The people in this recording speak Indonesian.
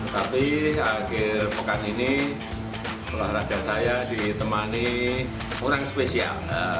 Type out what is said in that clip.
tapi akhir pekan ini olahraga saya ditemani orang spesial